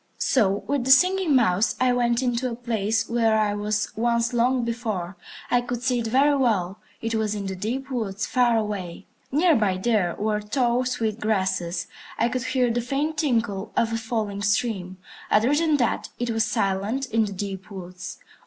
So with the Singing Mouse I went into a place where I was once long before. I could see it very well. It was in the deep woods, far away. Near by there were tall, sweet grasses. I could hear the faint tinkle of a falling stream. Other than that, it was silent in the deep woods.